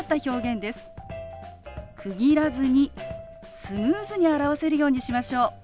区切らずにスムーズに表せるようにしましょう。